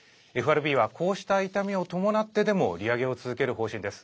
ＦＲＢはこうした痛みを伴ってでも利上げを続ける方針です。